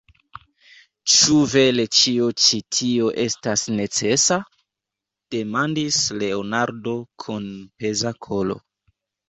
Ĉu vere ĉio ĉi tio estas necesa? demandis Leonardo kun peza koro.